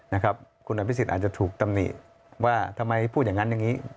นะครับคุณอภิษฎอาจจะถูกตำหนิว่าทำไมพูดอย่างนั้นอย่างนี้